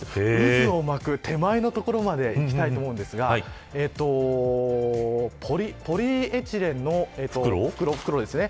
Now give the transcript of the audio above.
渦を巻く手前のところまでいきたいと思うんですがポリエチレンの袋ですね。